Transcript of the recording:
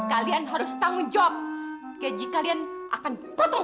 kalian harus tanggung jawab gaji kalian akan dipotong